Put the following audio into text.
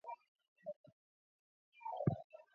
Kuna nafasi kubwa na nzuri ya kuiendeleza Zanzibar na Tanzania